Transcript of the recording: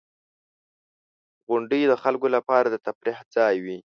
• غونډۍ د خلکو لپاره د تفریح ځای وي.